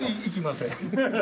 いきません。